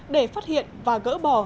để phát hiện và gỡ bỏ